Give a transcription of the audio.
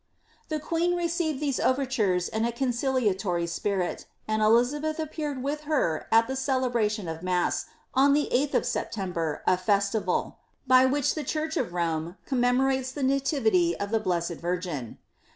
' The queen received these overtures in a conciliatoiy spirit, and EIh labeth appeared with her at the celebration of mass, on the 8th of Sep* tember, a festival, by which the church of Rome commemontea the nativity of the blessed Virgin.